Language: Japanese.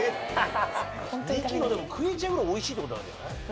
でも食えちゃうぐらいおいしいって事なんじゃない？